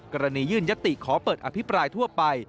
กรณียื่นยติขอเปิดอภิปรายทั่วไป